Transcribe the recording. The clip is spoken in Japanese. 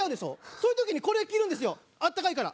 そういう時にこれを着るんですよ暖かいから。